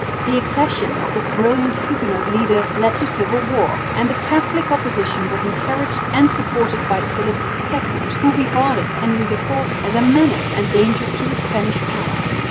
The accession of the brilliant Huguenot leader led to civil war; and the Catholic opposition was encouraged and supported by Philip II, who regarded Henry IV as a menace and danger to the Spanish power.